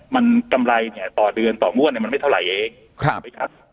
มันกำไรต่อเดือนต่อมั่วนไปมันไม่เท่าไหร่เอง